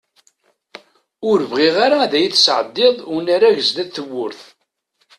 Ur bɣiɣ ara ad iyi-ttseddiɛ unarag sdat tewwurt.